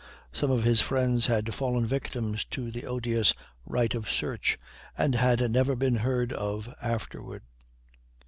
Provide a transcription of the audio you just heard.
Some of his friends had fallen victims to the odious right of search, and had never been heard of afterward.